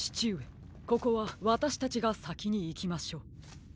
ここはわたしたちがさきにいきましょう。